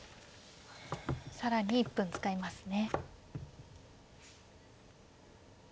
更に１分使いますね。